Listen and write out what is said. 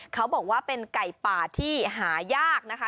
เขาบอกว่าเป็นไก่ป่าที่หายากนะคะ